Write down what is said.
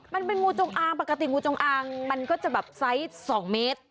มันเป็นงูจงอ่างปกติมันจะไซส์ตี่๒เมตร